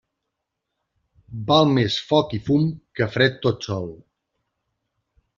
Val més foc i fum que fred tot sol.